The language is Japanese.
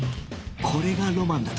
これがロマンだと